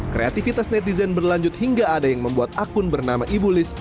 kreativitas netizen berlanjut hingga ada yang membuat akun bernama ibu liz